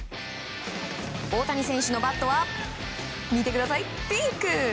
大谷選手のバットは見てください、ピンク。